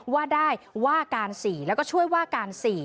ว่าได้ว่าการ๔แล้วก็ช่วยว่าการ๔